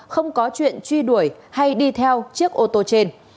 không có chuyện truy đuổi hay đi theo chiếc ô tô trên